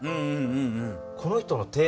この人の手。